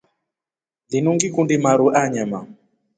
Linu ngikundi maru a nyama.